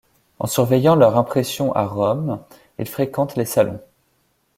En surveillant leur impression à Rome, il fréquente les salons.